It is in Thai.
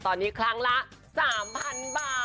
ตอนนี้ครั้งละ๓๐๐๐บาท